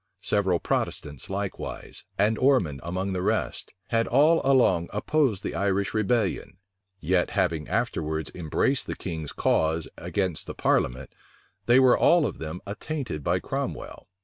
Several Protestants likewise, and Ormond among the rest, had all along opposed the Irish rebellion; yet having afterwards embraced the king's cause against the parliament, they were all of them attainted by Cromwell.